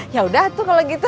yaudah tuh kalau gitu